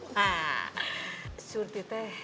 nah surti teh